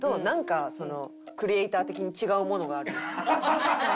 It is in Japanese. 確かに。